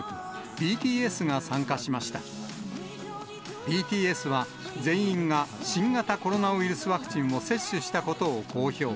ＢＴＳは全員が新型コロナウイルスワクチンを接種したことを公表。